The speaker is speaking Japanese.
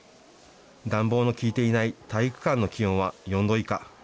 暖房の効いていない体育館の気温は４度以下。